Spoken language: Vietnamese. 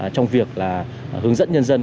trong việc là hướng dẫn nhân dân